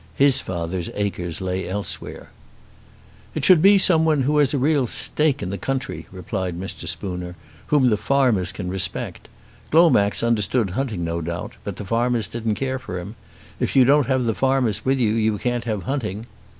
His father's acres lay elsewhere. "It should be someone who has a real stake in the country," replied Mr. Spooner, "whom the farmers can respect. Glomax understood hunting no doubt, but the farmers didn't care for him. If you don't have the farmers with you you can't have hunting."